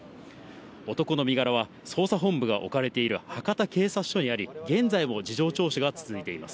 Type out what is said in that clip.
男の身柄は捜査本部が置かれている博多警察署にあり、現在も事情聴取が続いています。